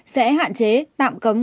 sẽ hạn chế tạm cấm